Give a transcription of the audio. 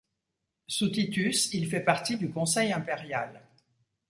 Sous Titus, il fait partie du conseil impérial.